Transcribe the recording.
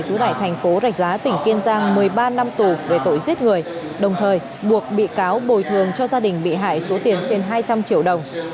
chú tại thành phố rạch giá tỉnh kiên giang một mươi ba năm tù về tội giết người đồng thời buộc bị cáo bồi thường cho gia đình bị hại số tiền trên hai trăm linh triệu đồng